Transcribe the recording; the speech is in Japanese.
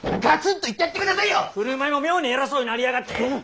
ふるまいも妙に偉そうになりやがって！